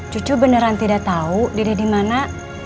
cucu beneran tidak tahu diri di mana